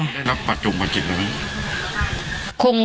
ได้รับประจุบัจจิบหรือเปล่า